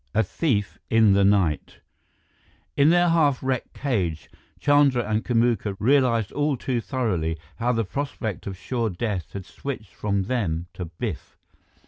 XI A Thief in the Night In their half wrecked cage, Chandra and Kamuka realized all too thoroughly how the prospect of sure death had switched from them to Biff.